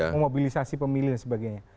memobilisasi pemilih dan sebagainya